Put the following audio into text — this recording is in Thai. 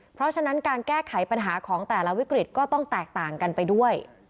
เพราะฉะนั้นการแก้ไขปัญหาของแต่ละวิกฤตก็ต้องแตกต่างกันไปด้วย